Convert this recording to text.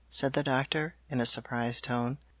said the Doctor in a surprised tone.